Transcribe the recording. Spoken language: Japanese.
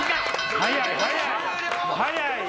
早い！